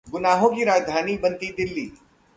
गुनाहों की राजधानी बनती दिल्ली